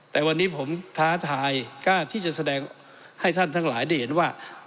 แต่วันนี้ผมท้าทายกล้าที่จะแสดงให้ท่านทั้งหลายได้เห็นว่า